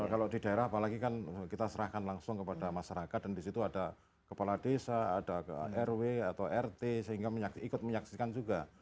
jadi kalau di daerah apalagi kan kita serahkan langsung kepada masyarakat dan disitu ada kepala desa ada ke rw atau rt sehingga ikut menyaksikan juga